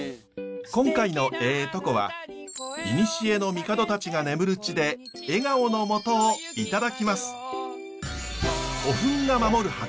今回の「えぇトコ」はいにしえの帝たちが眠る地で笑顔の素をいただきます！